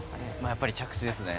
やっぱり着地ですね。